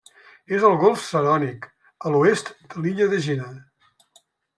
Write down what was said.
És al golf Sarònic, a l'oest de l'illa d'Egina.